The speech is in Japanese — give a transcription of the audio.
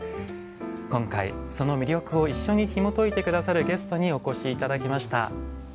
今回その魅力を一緒にひもといて下さるゲストにお越し頂きました。